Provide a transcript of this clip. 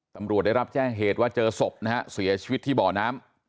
ตำรวจได้รับแจ้งเหตุว่าเจอศพนะฮะเสียชีวิตที่บ่อน้ำ